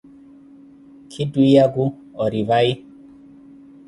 Khi twiya ku ori vayi?